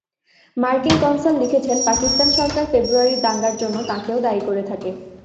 মার্কিন কনসাল লিখেছেন, পাকিস্তান সরকার ফেব্রুয়ারির দাঙ্গার জন্য তাঁকেও দায়ী করে থাকে।